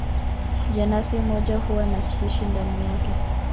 Jenasi moja huwa na spishi ndani yake.